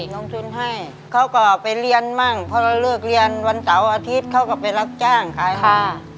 ลงทุนให้เขาก็ไปเรียนมั่งเพราะเราเลิกเรียนวันเสาร์อาทิตย์เขาก็ไปรับจ้างขายค่ะ